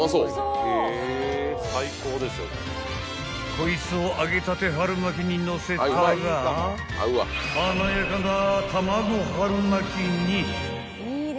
［こいつを揚げたて春巻きにのせたら華やかな卵春巻きに］